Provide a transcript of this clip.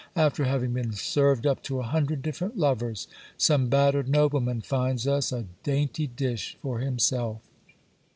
After having been served up to a hundred differ ent lovers, some battered nobleman finds us a dainty dish for himself.